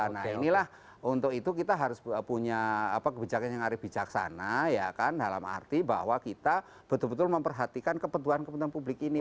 nah inilah untuk itu kita harus punya kebijaksanaan dalam arti bahwa kita betul betul memperhatikan kepentuan kepentuan publik ini